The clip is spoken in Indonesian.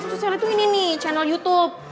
susah itu ini nih channel youtube